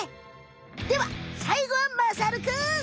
ではさいごはまさるくん！